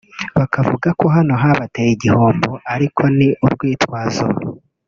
Bakavuga ko hano habateye igihombo ariko ni urwitwazo [